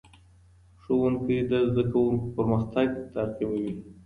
ښوونکی د زدهکوونکو پرمختګ تعقیبوي.